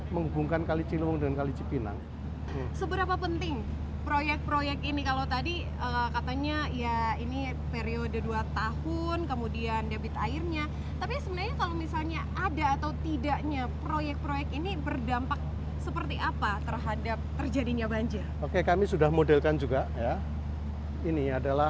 menghubungkan kalijirimung dengan kalijipinang ini